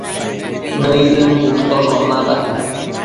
nëidën cushtoshon nata